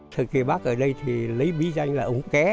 thời kỳ bác ở đây thì lấy bí danh là ống ké